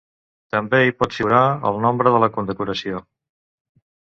També hi pot figurar el nombre de la condecoració.